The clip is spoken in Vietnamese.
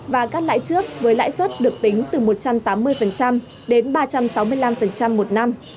và cắt lãi trước với lãi suất được tính từ một trăm tám mươi đến ba trăm sáu mươi năm một năm